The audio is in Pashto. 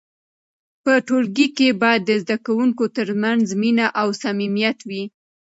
په ټولګي کې باید د زده کوونکو ترمنځ مینه او صمیمیت وي.